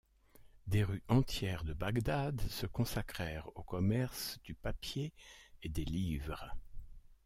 Des rues entières de Bagdad se consacrèrent au commerce du papier et des livres.